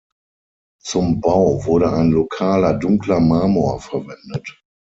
Zum Bau wurde ein lokaler dunkler Marmor verwendet.